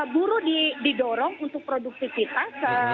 buru didorong untuk produktivitas